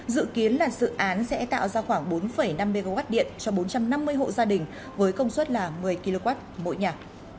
dự kiến là dự án sẽ tạo ra khoảng bốn năm mw điện cho bốn trăm năm mươi hộ gia đình với công suất là một mươi kw mỗi nhà